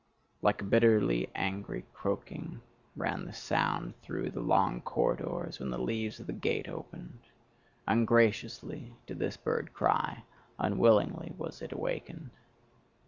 Like a bitterly angry croaking ran the sound through the long corridors when the leaves of the gate opened: ungraciously did this bird cry, unwillingly was it awakened.